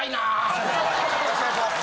よろしくお願いします！